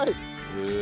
へえ。